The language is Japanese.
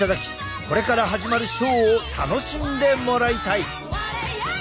これから始まるショーを楽しんでもらいたい！